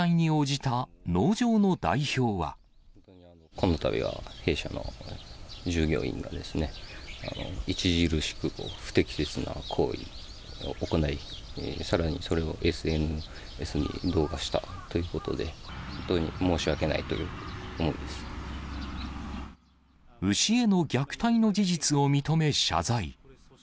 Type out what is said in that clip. このたびは弊社の従業員がですね、著しく不適切な行為を行い、さらにそれをＳＮＳに動画したということで、本当に申し訳ないと牛への虐待の事実を認め謝罪。